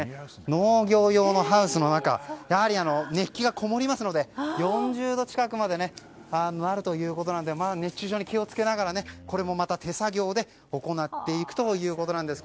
農業用のハウスの中はやはり熱気がこもりますので４０度近くまでなるということなので熱中症に気を付けながらこれも、また手作業で行っていくということなんです。